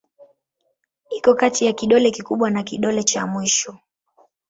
Iko kati ya kidole kikubwa na kidole cha mwisho.